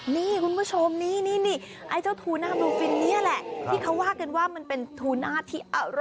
นี่คุณผู้ชมพี่สวยนี้ละ